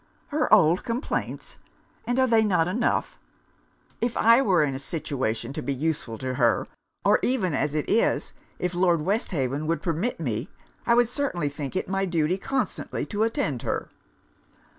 'Her old complaints! And are not they enough? If I were in a situation to be useful to her; or even as it is, if Lord Westhaven would permit me, I should certainly think it my duty constantly to attend her.'